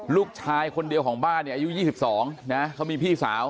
ลูกชายคนเดียวของบ้านเนี่ยอายุยี่สิบสองนะฮะเขามีพี่สาว